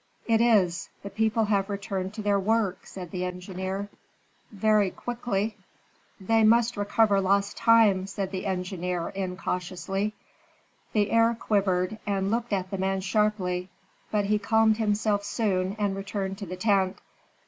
"It is. The people have returned to their work," said the engineer. "Very quickly." "They must recover lost time," said the engineer, incautiously. The heir quivered, and looked at the man sharply. But he calmed himself soon and returned to the tent.